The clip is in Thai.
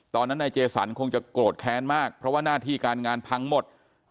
ตอนนั้นนายเจสันคงจะโกรธแค้นมากเพราะว่าหน้าที่การงานพังหมด